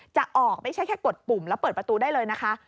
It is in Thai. จะออกไม่ใช่แค่กดปุ่มแล้วเปิดประตูได้เลยนะคะ